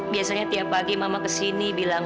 biasanya tiap pagi mama kesini bilang